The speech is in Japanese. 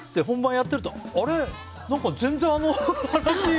本番やってると全然。